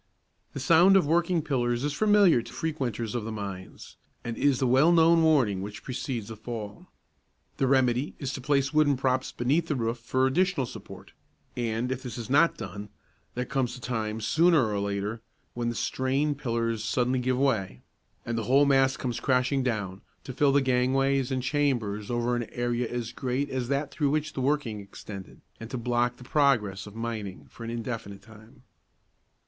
The sound of working pillars is familiar to frequenters of the mines, and is the well known warning which precedes a fall. The remedy is to place wooden props beneath the roof for additional support, and, if this is not done, there comes a time, sooner or later, when the strained pillars suddenly give way, and the whole mass comes crashing down, to fill the gangways and chambers over an area as great as that through which the working extended, and to block the progress of mining for an indefinite time.